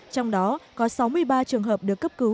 trong đó có sáu mươi ba trường hợp được cấp cứu